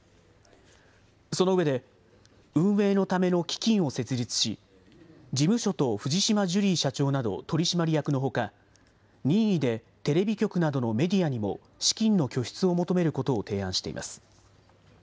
その上で、運営のための基金を設立し、事務所と藤島ジュリー社長など取締役のほか、任意でテレビ局などのメディアにも資金の拠出を求めることを提案しています。